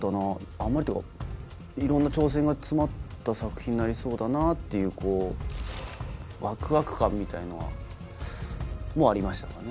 あんまりっていうかいろんな挑戦が詰まった作品になりそうだなっていうワクワク感みたいなのもありましたかね。